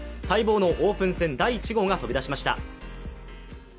待望のオープン戦第１号が飛び出しました。